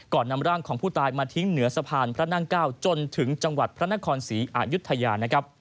ก่อนนำร่างของผู้ตายมาทิ้งเหนือสะพานพระนางเก้าจนถึงจังหวัดพระนครศรีอายุทยา